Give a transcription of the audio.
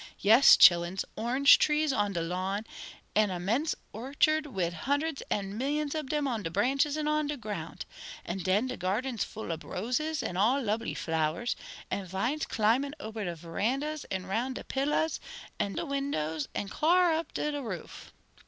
"Yes, chillins, orange trees on de lawn, an' a 'mense orchard wid hundreds an' millions ob dem on de branches an' on de ground. An' den de gardens full ob roses an' all lubly flowers, an' vines climbin' ober de verandas an' roun' de pillahs an' de windows, an' clar up to de roof."